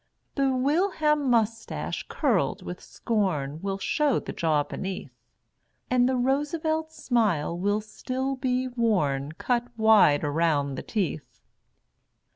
The Wilhelm Moustache, curled with scorn, Will show the jaw beneath, And the Roosevelt Smile will still be worn Cut wide around the teeth.